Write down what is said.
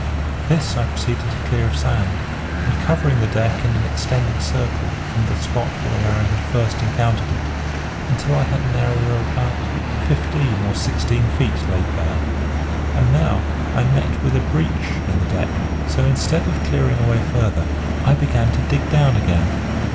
This I proceeded to clear of sand, uncovering the deck in an extending circle from the spot where I had first encountered it, until I had an area of about fifteen or sixteen feet laid bare. And now I met with a breach in the deck; so instead of clearing away further, I began to dig down again.